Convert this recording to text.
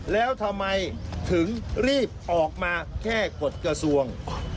แล้วทำไมถึงรีบออกมาแค่กฎกระทรวง